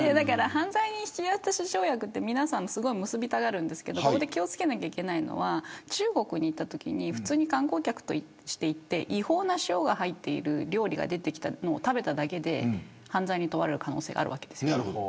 犯罪引き渡し条約って皆さん、結びたがるんですが気を付けなければいけないのは中国に行ったときに観光客として行って違法な塩が入っている料理が出てきたのを食べただけで犯罪に問われる可能性があるわけです。